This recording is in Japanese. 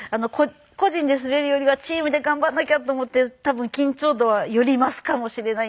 個人で滑るよりはチームで頑張らなきゃと思って多分緊張度はより増すかもしれないんですけど。